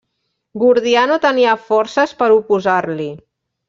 Gordià no tenia forces per oposar-li.